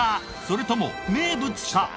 それとも名物か？